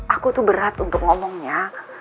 aku tuh berat untuk ngomongnya